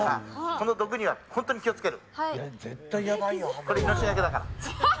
その毒には本当に気を付ける！